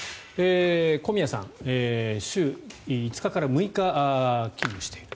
小宮さん、週５日から６日勤務している。